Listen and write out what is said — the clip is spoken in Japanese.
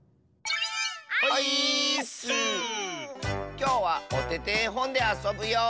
きょうは「おててえほん」であそぶよ！